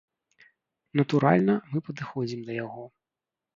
Натуральна, мы падыходзім да яго.